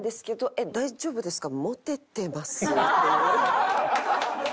えっ大丈夫ですか？